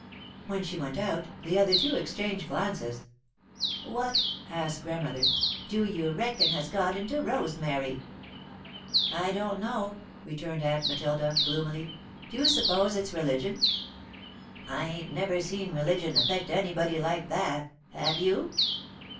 When she went out, the other two exchanged glances. "What," asked Grandmother, "do you reckon has got into Rosemary?" [Sidenote: What Has Happened?] "I don't know," returned Aunt Matilda, gloomily. "Do you suppose it's religion?" "I ain't never seen religion affect anybody like that, have you?'